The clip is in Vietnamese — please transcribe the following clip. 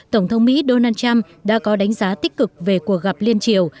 tổng thống mỹ donald trump đã có đánh giá tích cực về cuộc gặp liên triều